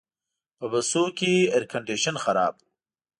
په بسونو کې ایرکنډیشن خراب و.